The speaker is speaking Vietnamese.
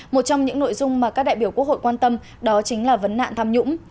một trong những nội dung mà các đại biểu quốc hội quan tâm đó chính là vấn nạn tham nhũng